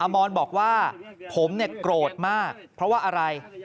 มอนบอกว่าผมโกรธมากเพราะว่าอะไร